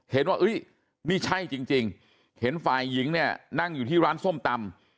เห็นว่านี่ใช่จริงเห็นฝ่ายหญิงเนี่ยนั่งอยู่ที่ร้านส้มตำ